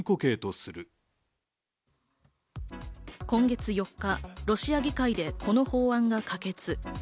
今月４日、ロシア議会でこの法案が可決。